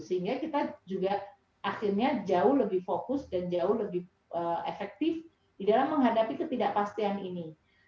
sehingga kita juga akhirnya jauh lebih fokus dan jauh lebih efektif di dalam menghadapi ketidakpastian ini